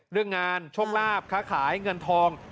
เรื่องงานโชคลาภค้าขายเงินทอง